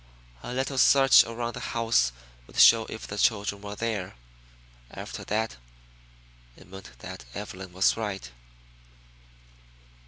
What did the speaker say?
A little search around the house would show if the children were there; after that it meant that Evelyn was right.